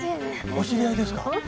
お知り合いですか？